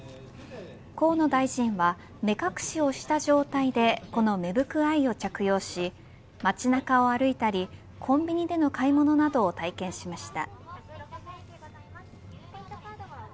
河野大臣は目隠しをした状態でこのめぶくＥＹＥを着用し街中を歩いたりコンビニでの買い物などを体験しました。